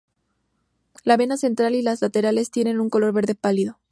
La vena central y las laterales tienen un color verde pálido.